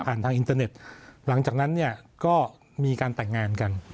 ทางอินเตอร์เน็ตหลังจากนั้นเนี่ยก็มีการแต่งงานกัน